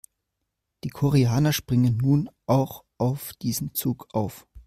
Die Koreaner springen nun auch auf diesen Zug auf.